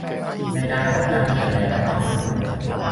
ในการป้องกันเขตแดนและความมั่นคง